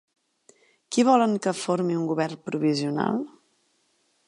Qui volen que formi un govern provisional?